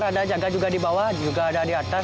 ada jaga juga di bawah juga ada di atas